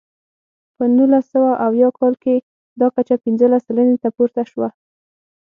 په نولس سوه اویا کال کې دا کچه پنځلس سلنې ته پورته شوه.